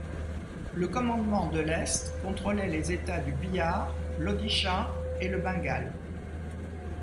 Le commandement de l'Est contrôlait les états du Bihar, l'Odisha et le Bengale.